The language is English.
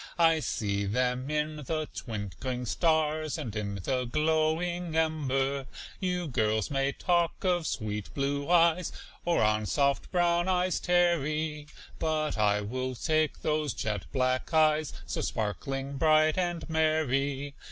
I see them in the twinkling stars, And in the glowing ember. You girls may talk of sweet blue eyes, Or on soft brown eyes tarry, But I will take those jet black eyes, So sparkling, bright, and merry.